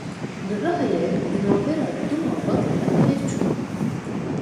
Li Rihayê di navbera du malbatan de pevçûn.